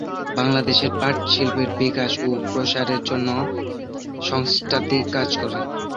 বাংলাদেশে পাট শিল্পের বিকাশ ও প্রসারের জন্য জন্য সংস্থাটি কাজ করে।